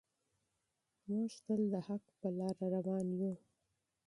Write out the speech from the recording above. موږ تل د حق په لاره روان یو.